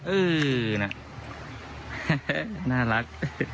เออน่ะน่ารัก